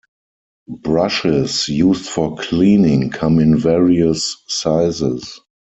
Brushes used for cleaning come in various sizes.